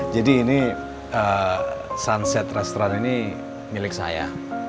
jadi ini sunset restaurant ini milik saya